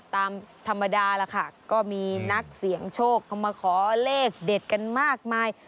ตามธรรมดาล่ะค่ะก็มีนักเสี่ยงโชคเข้ามาขอเลขเด็ดกันมากมาย